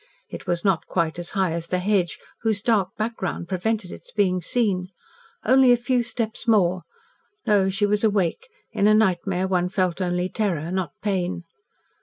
It was not quite as high as the hedge whose dark background prevented its being seen. Only a few steps more. No, she was awake in a nightmare one felt only terror, not pain.